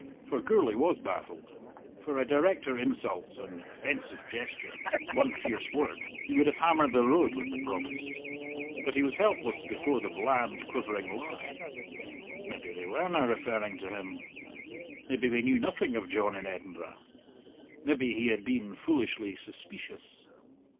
For Gourlay was baffled. For a directer insult, an offensive gesture, one fierce word, he would have hammered the road with the Provost. But he was helpless before the bland, quivering lie. Maybe they werena referring to him; maybe they knew nothing of John in Edinburgh; maybe he had been foolishly suspeecious.